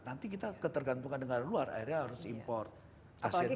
nanti kita ketergantungan dengan luar akhirnya harus import asetnya